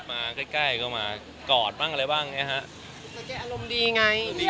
มาใกล้ก็มากอดบ้างอะไรบ้างอย่างนี้ฮะ